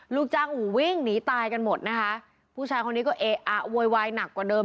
ลูกจ้างอู๋วิ่งหนีตายกันหมดนะคะผู้ชายคนนี้ก็เอ๊ะอ่ะโวยวายหนักกว่าเดิม